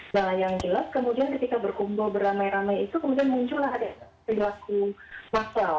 nah yang jelas kemudian ketika berkumpul beramai ramai itu kemudian muncullah ada perilaku masal